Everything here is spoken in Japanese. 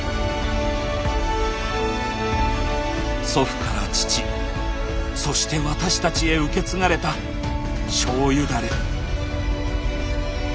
祖父から父そして私たちへ受け継がれた「醤油ダレ」。